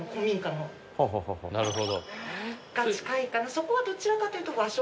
そこはどちらかというと和食。